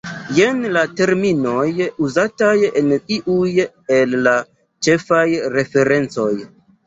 Jen la terminoj uzataj en iuj el la ĉefaj referencoj.